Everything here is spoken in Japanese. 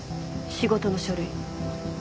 仕事の書類。